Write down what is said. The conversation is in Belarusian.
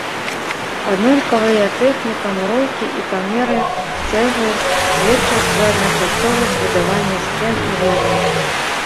Аднолькавыя тэхніка муроўкі і памеры цэглы сведчаць пра адначасовасць будавання сцен і вежаў.